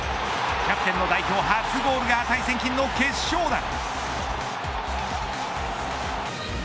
キャプテンの、代表初ゴールが値千金の決勝弾。